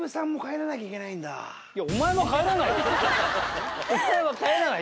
いやお前は帰らない。